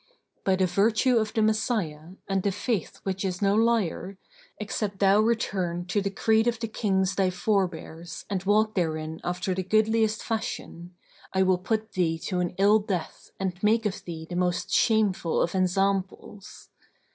By the virtue of the Messiah and the Faith which is no liar, except thou return to the creed of the Kings thy Forebears and walk therein after the goodliest fashion, I will put thee to an ill death and make of thee the most shameful of ensamples!"